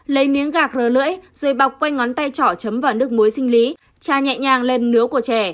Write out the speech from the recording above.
lấy miếng gạc rơ lưỡi rồi bọc quanh ngón tay chỏ chấm vào nước muối sinh lý cha nhẹ nhàng lên nứa của trẻ